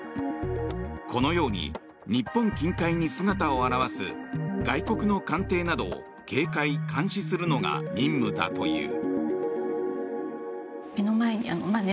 このように日本近海に姿を現す外国の艦艇などを警戒・監視するのが任務だという。